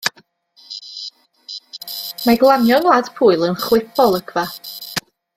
Mae glanio yng ngwlad Pwyl yn chwip o olygfa.